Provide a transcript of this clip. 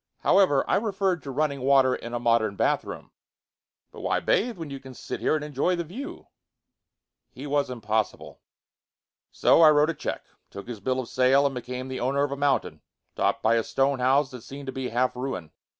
However, I referred to running water in a modern bathroom." "But why bathe when you can sit here and enjoy the view?" He was impossible. So, I wrote a check, took his bill of sale and became the owner of a mountain, topped by a stone house that seemed to be half ruin.